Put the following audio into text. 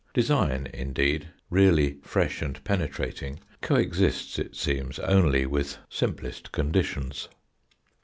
Design, indeed, really fresh and penetrating, co exists it seems only with simplest conditions.